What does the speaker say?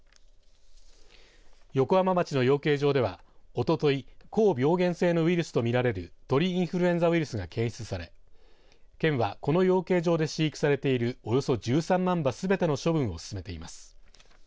横浜町の養鶏場では、おととい高病原性のウイルスと見られる鳥インフルエンザウイルスが検出され県はこの養鶏場で飼育されているおよそ１３万羽すべての処分を進めています。